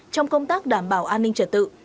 trong công tác đảm bảo an ninh trở tự